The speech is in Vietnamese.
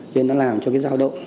nên nó làm cho cái giao động